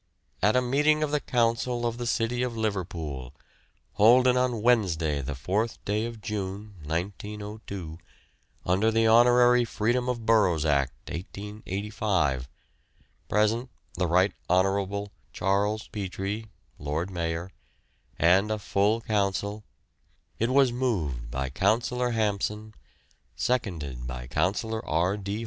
'At a meeting of the Council of the City of Liverpool, holden on Wednesday, the 4th day of June, 1902, under the Honorary Freedom of Boroughs Act, 1885, present the Right Hon. Charles Petrie (Lord Mayor), and a full Council, it was moved by Councillor Hampson, seconded by Councillor R. D.